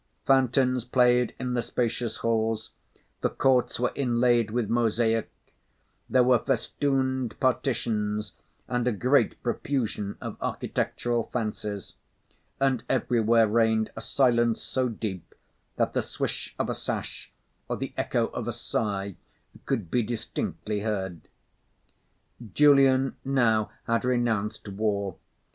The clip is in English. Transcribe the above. Fountains played in the spacious halls; the courts were inlaid with mosaic; there were festooned partitions and a great profusion of architectural fancies; and everywhere reigned a silence so deep that the swish of a sash or the echo of a sigh could be distinctly heard. Julian now had renounced war.